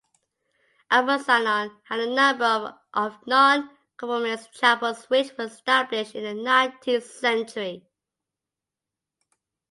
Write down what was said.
Abercynon had a number of nonconformist chapels which were established in the nineteenth century.